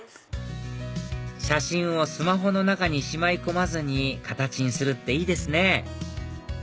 写真をスマホの中にしまい込まずに形にするっていいですね